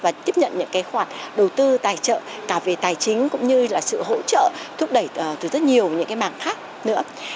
và tiếp nhận những cái khoản đầu tư tài trợ cả về tài chính cũng như là sự hỗ trợ thúc đẩy từ rất nhiều những cái mảng khác nữa